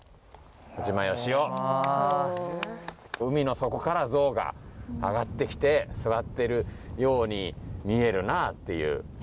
海の底から象が上がってきて座ってるように見えるなっていう。